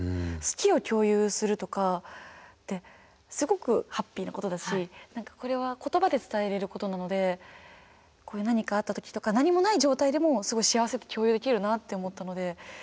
好きを共有するとかってすごくハッピーなことだし何かこれは言葉で伝えれることなのでこういう何かあった時とか何もない状態でもすごい幸せって共有できるなって思ったので。